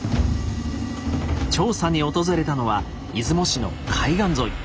調査に訪れたのは出雲市の海岸沿い。